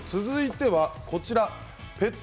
続いてはこちらです。